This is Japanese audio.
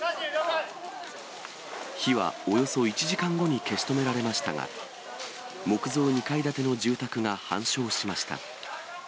火はおよそ１時間後に消し止められましたが、木造２階建ての住宅が半焼しました。